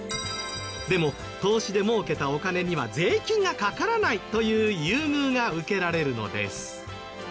でも投資で儲けたお金には税金がかからないという優遇が受けられるのです。